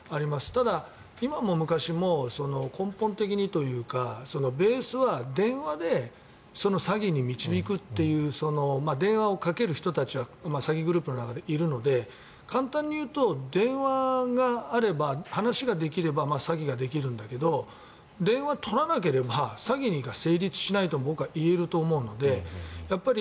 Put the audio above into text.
ただ、今も昔も根本的にというかベースは電話で詐欺に導くっていう電話をかける人たちは詐欺グループの中でいるので簡単に言うと電話があれば話ができれば詐欺ができるんだけど電話を取らなければ詐欺が成立しないとも僕は言えると思うのでやっぱり